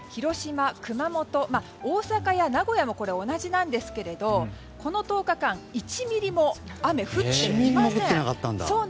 まあ大阪や名古屋も同じなんですけどこの１０日間１ミリも雨が降っていません。